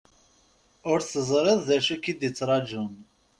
Ur teẓriḍ d acu ik-d-ittrajun.